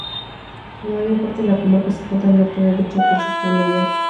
La mayor parte de la comarca se encuentra al norte de dicho curso fluvial.